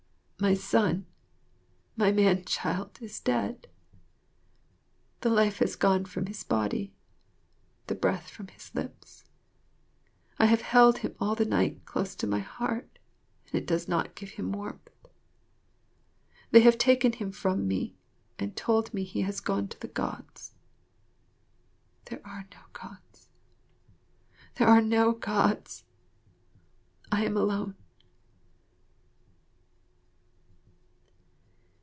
My son, my man child is dead. The life has gone from his body, the breath from his lips. I have held him all the night close to my heart and it does not give him warmth. They have taken him from me and told me he has gone to the Gods. There are no Gods. There are no Gods. I am alone.